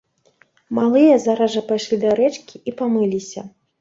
Малыя зараз жа пайшлі да рэчкі і памыліся.